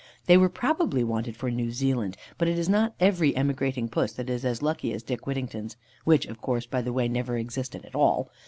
They were probably wanted for New Zealand; but it is not every emigrating Puss that is as lucky as Dick Whittington's (which, of course, by the way, never existed at all.)